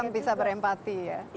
mereka bisa berempati ya